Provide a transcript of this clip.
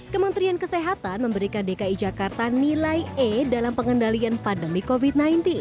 kementerian kesehatan memberikan dki jakarta nilai e dalam pengendalian pandemi covid sembilan belas